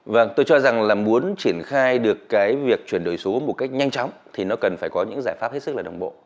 vâng tôi cho rằng là muốn triển khai được cái việc chuyển đổi số một cách nhanh chóng thì nó cần phải có những giải pháp hết sức là đồng bộ